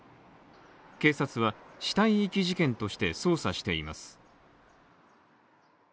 警察は死体遺棄事件として捜査しています。